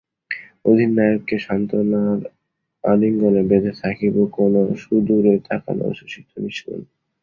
অধিনায়ককে সান্ত্বনার আলিঙ্গনে বেঁধে সাকিবও কোনো সুদূরে তাকানো অশ্রুসিক্ত নিঃস্ব মানুষ।